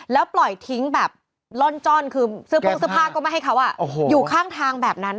แล้วปล่อยทิ้งแบบร่อนจ้อนคือเสื้อโพงเสื้อผ้าก็ไม่ให้เขาอยู่ข้างทางแบบนั้น